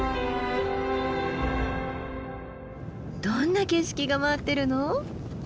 どんな景色が待ってるの？